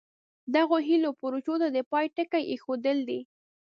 دغو هیلو او پروژو ته د پای ټکی ایښودل دي.